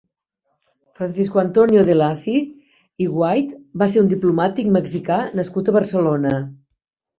Francisco Antonio de Lacy i White va ser un diplomàtic mexicà nascut a Barcelona.